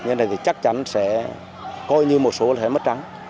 nhưng thì chắc chắn sẽ coi như một số là sẽ mất trắng